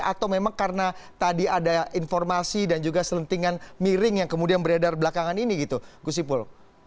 atau memang karena tadi ada informasi dan juga selentingan miring yang kemudian beredar belakangan ini gitu gus ipul